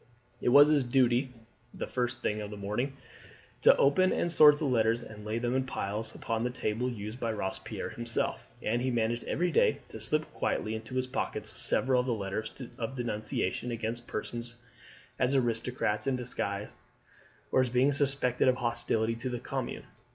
It was his duty the first thing of a morning to open and sort the letters and lay them in piles upon the table used by Robespierre himself, and he managed every day to slip quietly into his pockets several of the letters of denunciation against persons as aristocrats in disguise or as being suspected of hostility to the Commune.